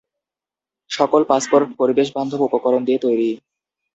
সকল পাসপোর্ট পরিবেশ বান্ধব উপকরণ দিয়ে তৈরি।